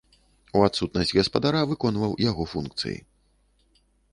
У адсутнасць гаспадара выконваў яго функцыі.